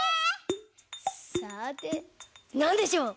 さてなんでしょう？